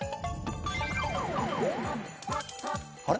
あれ？